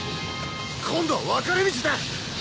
今度は分かれ道だ。